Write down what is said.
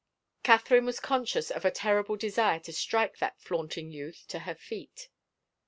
Catherine was conscious of a terrible desire to strike that flaunting youth to her feet.